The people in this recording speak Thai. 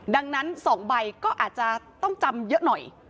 ดังนั้น๒ใบก็อาจจะต้องจำเยอะหน่อย